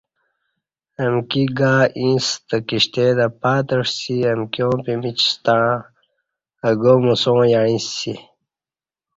امکی گا ییں ستہ کشتے تہ پاتعسی امکیاں پِمچ ستݩع اہ گا موساں یعݩسئے